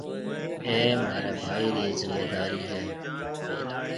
اَي مهاريَ ڀائِي رِي زميندارِي هيَ۔